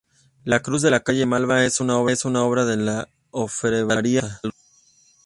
La Cruz de la Calle Malva, es una obra de la orfebrería andaluza.